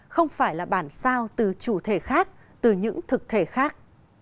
không phải là bản sao từ chủ thể khác từ những thực thể khác